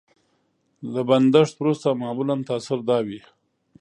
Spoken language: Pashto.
له بندښت وروسته معمولا تاثر دا وي.